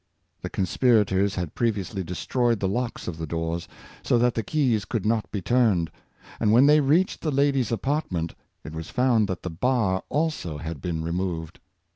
The conspirators had previ ously destroyed the locks of the doors, so that the keys could not be turned; and when they reached the ladies' apartment, it was found that the bar also had been re moved.